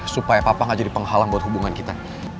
supaya papa gak jadi penghalang buat hubungan kita